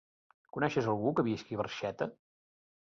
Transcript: Coneixes algú que visqui a Barxeta?